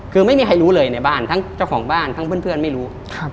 คือไม่มีใครรู้เลยในบ้านทั้งเจ้าของบ้านทั้งเพื่อนไม่รู้